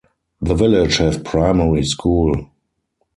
The village has primary school.